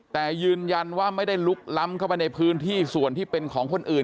แต่ยืนยันว่าไม่ได้ลุกล้ำเข้าไปในพื้นที่ส่วนที่เป็นของคนอื่น